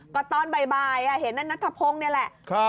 ก็ตอนบ่ายบ่ายอ่ะเห็นนั่นนัทธพงศ์เนี้ยแหละครับ